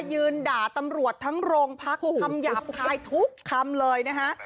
ยืนด่าตำรวจทั้งโรงพักคำหยาบคายทุกคำเลยนะฮะ